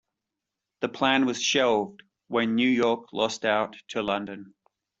The plan was shelved when New York lost out to London.